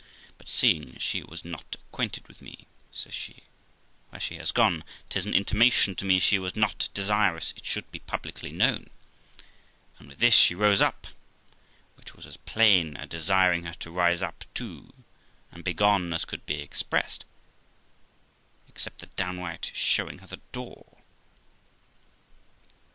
'But seeing she has not acquainted me', says she, 'where she has gone, 'tis an intimation to me she was not desirous it should be publicly known'; and with this she rose up, which was as plain a desiring her to rise up too and begone as could be expressed, except the downright showing her the door.